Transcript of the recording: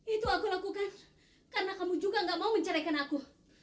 itu aku lakukan karena kamu juga gak mau menceraikan aku